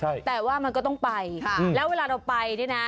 ใช่แต่ว่ามันก็ต้องไปค่ะแล้วเวลาเราไปเนี่ยนะ